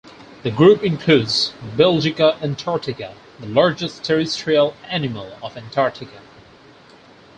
The group includes "Belgica antarctica", the largest terrestrial animal of Antarctica.